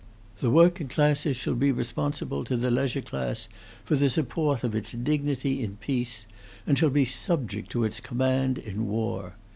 "The working classes shall be responsible to the leisure class for the support of its dignity in peace, and shall be subject to its command in war.